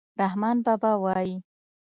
رحمان بابا وايي.